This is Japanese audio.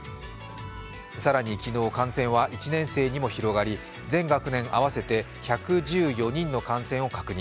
更に昨日、感染は１年生にも広がり全学年合わせて１１４人の感染を確認。